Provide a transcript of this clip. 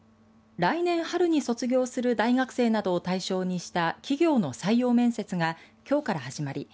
来年春に卒業する大学生などを対象にした企業の採用面接がきょうから始まり